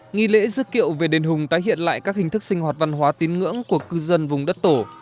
nghi lễ dức kiệu về đền hùng tái hiện lại các hình thức sinh hoạt văn hóa tín ngưỡng của cư dân vùng đất tổ